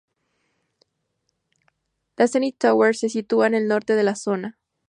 La Zenith Tower se sitúa en el norte de la zona.